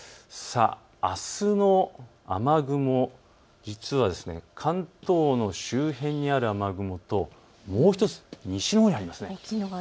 あすも雨雲、実は関東の周辺にある雨雲ともう１つ西のほうにあります。